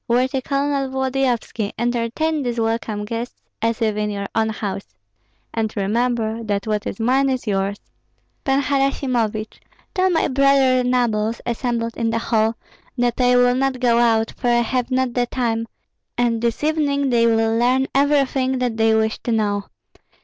Worthy Colonel Volodyovski, entertain these welcome guests as if in your own house, and remember that what is mine is yours. Pan Harasimovich, tell my brother nobles assembled in the hall, that I will not go out, for I have not the time, and this evening they will learn everything that they wish to know.